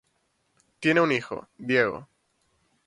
Tiene un hijo, Diego.